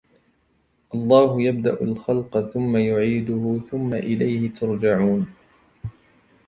الله يبدأ الخلق ثم يعيده ثم إليه ترجعون